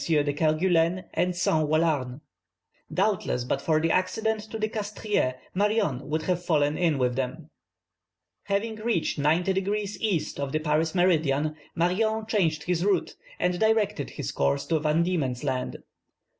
de Kerguelen and Saint Allouarn. Doubtless, but for the accident to the Castries, Marion would have fallen in with them. Having reached 90 degrees east of the Paris meridian, Marion changed his route, and directed his course to Van Diemen's Land.